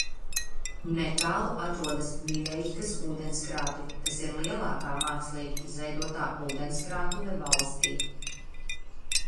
Netālu atrodas Viļejkas ūdenskrātuve, kas ir lielākā mākslīgi izveidotā ūdenskrātuve valstī.